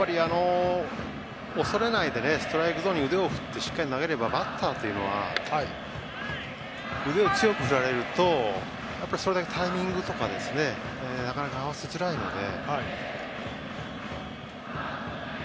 恐れないでストレートゾーンに腕を振って投げればバッターは腕を強く振られるとそれだけタイミングなどなかなか合わせづらいので。